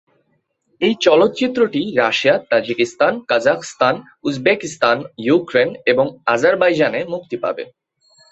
এই চলচ্চিত্রটি Russia, Tajikistan, Kazakhstan, Uzbekistan, Ukraine এবং আজারবাইজানে মুক্তি পাবে।